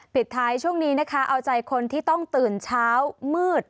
ปิดท้ายช่วงนี้นะคะเอาใจคนที่ต้องตื่นเช้ามืด